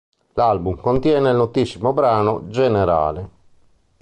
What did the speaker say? L'album contiene il notissimo brano "Generale".